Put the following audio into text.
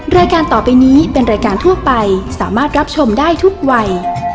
รายการต่อไปนี้เป็นรายการทั่วไปสามารถรับชมได้ทุกวัย